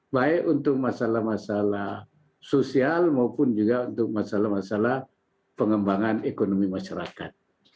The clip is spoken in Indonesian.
baik untuk masalah masalah sosial maupun juga untuk masalah masalah pengembangan ekonomi masyarakat